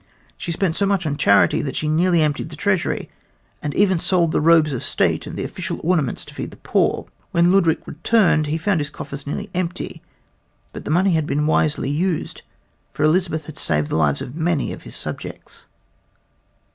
She spent so much on charity that she nearly emptied the treasury, and even sold the robes of state and the official ornaments to feed the poor. When Ludwig returned he found his coffers nearly empty but the money had been wisely used, for Elizabeth had saved the lives of many of his subjects.